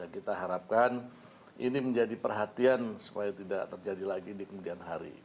kita harapkan ini menjadi perhatian supaya tidak terjadi lagi di kemudian hari